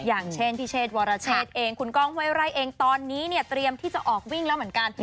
อย่างเช่นพี่เชษวรเชษเองคุณก้องเว้ไร่เองตอนนี้เนี่ยเตรียมที่จะออกวิ่งแล้วเหมือนกัน